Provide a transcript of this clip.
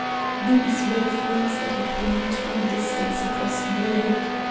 These were the flames that had gleamed from a distance across the lake.